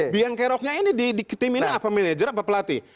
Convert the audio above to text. biang keroknya ini di tim ini apa manajer apa pelatih